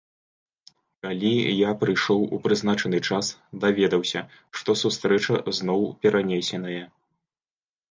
Калі я прыйшоў у прызначаны час, даведаўся, што сустрэча зноў перанесеная.